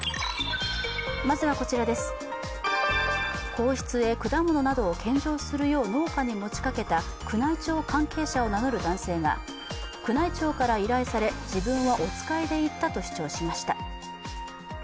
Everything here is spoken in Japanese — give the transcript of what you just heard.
皇室へ果物などを献上するよう農家に持ちかけた宮内庁関係者を名乗る男性が宮内庁から依頼され、自分はおつかいで行ったと主張しました。